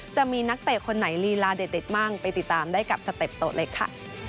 จะมีนักเตะคนไหนลีลาเด็ดมั่งไปติดตามได้กับสเต็ปโต๊ะเล็กค่ะ